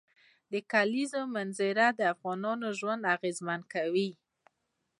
د کلیزو منظره د افغانانو ژوند اغېزمن کوي.